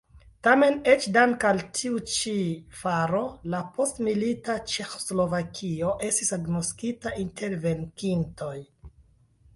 Tamen eĉ dank' al tiu ĉi faro la postmilita Ĉeĥoslovakio estis agnoskita inter venkintoj.